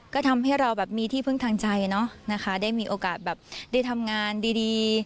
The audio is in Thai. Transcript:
ก็ทำให้เราแบบมีที่พึ่งทางใจเนอะนะคะได้มีโอกาสแบบได้ทำงานดี